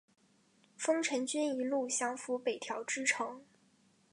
丰臣军一路降伏北条支城。